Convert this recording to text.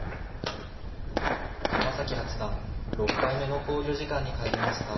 山崎八段６回目の考慮時間に入りました。